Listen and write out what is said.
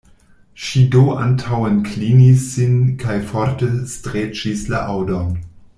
Ŝi do antaŭenklinis sin kaj forte streĉis la aŭdon.